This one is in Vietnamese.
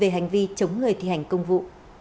hành vi chống người thi hành công vụ